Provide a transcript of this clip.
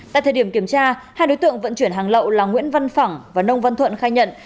tại thời điểm kiểm tra hai đối tượng vận chuyển hàng lậu là nguyễn văn phẳng và nông văn thuận khai nhận